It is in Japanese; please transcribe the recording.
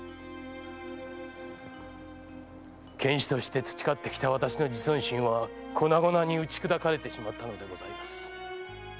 剣士として培ってきた私の自尊心は粉々に打ち砕かれてしまったのでございます。